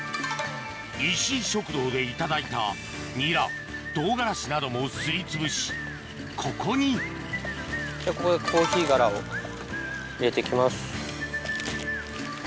石井食堂で頂いたニラ唐辛子などもすり潰しここにここでコーヒー殻を入れて行きます。